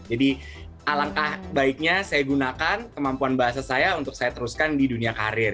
alangkah baiknya saya gunakan kemampuan bahasa saya untuk saya teruskan di dunia karir